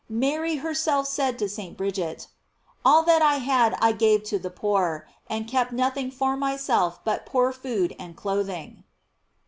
§ Mary herself said to St. Bridget: "All that I had I gave to the poor, and kept nothing for myself but poor food and clothing."